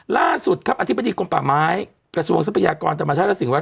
ล่าสุดครับอธิบดีกรมป่าไม้กระทรวงทรัพยากรธรรมชาติและสิ่งวัด